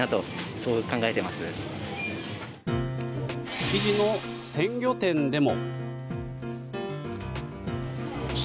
築地の鮮魚店でも。